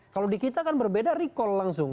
kalau di kita kan berbeda recall langsung